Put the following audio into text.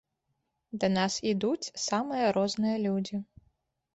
Да нас ідуць самыя розныя людзі.